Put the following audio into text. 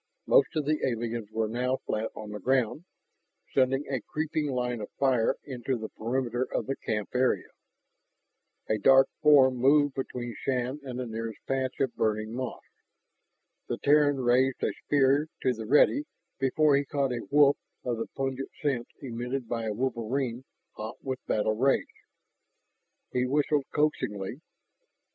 Most of the aliens were now flat on the ground, sending a creeping line of fire into the perimeter of the camp area. A dark form moved between Shann and the nearest patch of burning moss. The Terran raised a spear to the ready before he caught a whiff of the pungent scent emitted by a wolverine hot with battle rage. He whistled coaxingly.